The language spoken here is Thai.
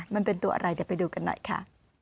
มันเป็นตัวอะไรเดี๋ยวไปดูกันหน่อยค่ะ